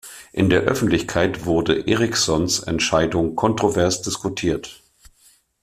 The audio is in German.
In der Öffentlichkeit wurde Erikssons Entscheidung kontrovers diskutiert.